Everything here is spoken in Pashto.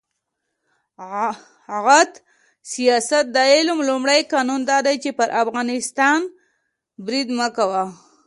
«عد سیاست د علم لومړی قانون دا دی: پر افغانستان برید مه کوه.